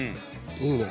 いいね。